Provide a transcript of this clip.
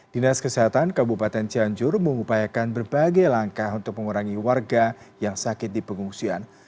dinas kesehatan kabupaten cianjur mengupayakan berbagai langkah untuk mengurangi warga yang sakit di pengungsian